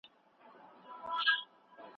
که ته حق ومنې، انصاف کېږي.